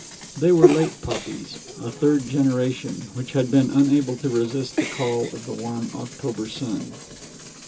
They were late poppies, a third generation, which had been unable to resist the call of the warm October sun.